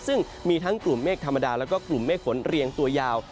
ซึ่งมีทั้งกลุ่มเมฆธรรมดาแล้วก็กลุ่มเมฆฝนเรียงตัวยาว